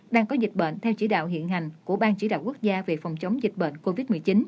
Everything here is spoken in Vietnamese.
đang có dịch bệnh theo chỉ đạo hiện hành của bang chỉ đạo quốc gia về phòng chống dịch bệnh covid một mươi chín